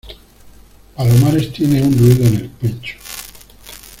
palomares tiene un ruido en el pecho